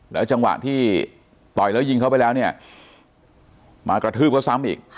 จังหวะที่ต่อยแล้วยิงเขาไปแล้วเนี่ยมากระทืบเขาซ้ำอีก